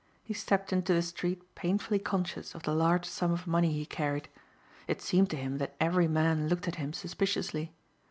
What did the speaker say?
He stepped into the street painfully conscious of the large sum of money he carried. It seemed to him that every man looked at him suspiciously.